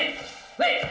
mereka yang tetap